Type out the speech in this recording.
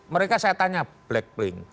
mereka tanya black link